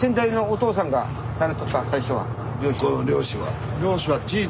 この漁師は。